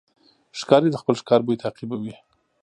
ښکاري د خپل ښکار بوی تعقیبوي.